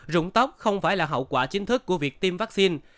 rụng tóc không phải là hậu quả chính thức của việc tiêm vaccine